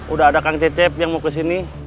udah ada kang cecep yang mau kesini